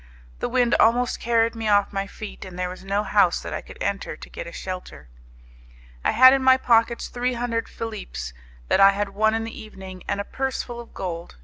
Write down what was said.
The wind almost carried me off my feet, and there was no house that I could enter to get a shelter. I had in my pockets three hundred philippes that I had won in the evening, and a purse full of gold.